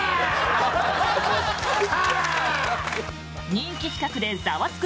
人気企画で「ザワつく！」